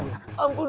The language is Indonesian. ampun ma ampun